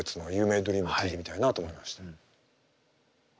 聴いてみたいなと思いました。